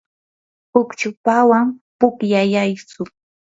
uchpawan pukllayaytsu.